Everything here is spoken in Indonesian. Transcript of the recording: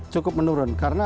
cukup menurun karena